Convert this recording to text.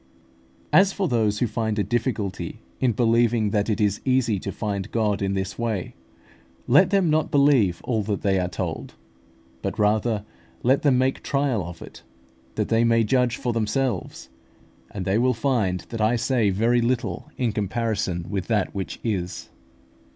As for those who find a difficulty in believing that it is easy to find God in this way, let them not believe all that they are told, but rather let them make trial of it, that they may judge for themselves; and they will find that I say very little in comparison with that which is.